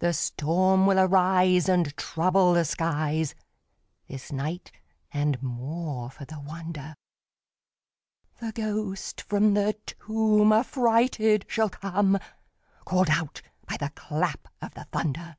The storm will arise, And trouble the skies This night; and, more for the wonder, The ghost from the tomb Affrighted shall come, Call'd out by the clap of the thunder.